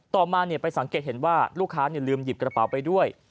ต่อมาไปสังเกตเห็นว่าลูกค้าลืมหยิบกระเป๋าไปด้วย